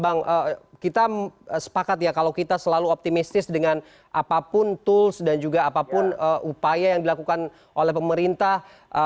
bang kita sepakat ya kalau kita selalu optimistis dengan apapun tools dan juga apapun upaya yang dilakukan oleh pemerintah